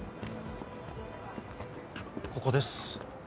ここです。